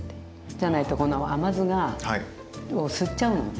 じゃないとこの甘酢を吸っちゃうのね